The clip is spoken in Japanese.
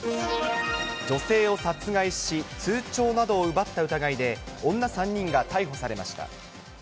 女性を殺害し、通帳などを奪った疑いで、女３人が逮捕されました。